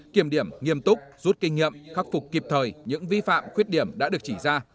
kiểm điểm nghiêm túc rút kinh nghiệm khắc phục kịp thời những vi phạm khuyết điểm đã được chỉ ra